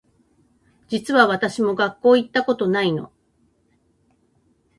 実は私も学校行ったことないの